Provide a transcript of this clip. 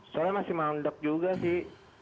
soalnya masih mandek juga sih